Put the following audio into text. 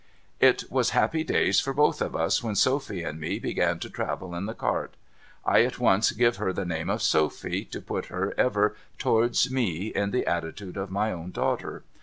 It was happy days for both of us when Sophy and me began to travel in the cart. I at once give her the name of Sophy, to put her ever towards me in the attitude of my own daughter.